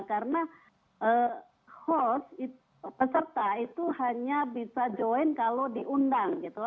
karena host peserta itu hanya bisa join kalau diundang gitu